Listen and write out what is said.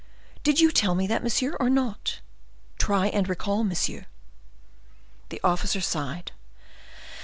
Did you tell me that, monsieur, or not? Try and recall, monsieur." The officer sighed.